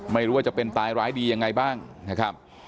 ไม่รู้ว่าจะเป็นตายร้ายดียังไงบ้างนะครับ